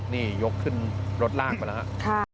นี่ยกขึ้นรถลากไปแล้วครับ